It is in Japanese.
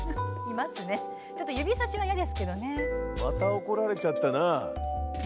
また怒られちゃったな。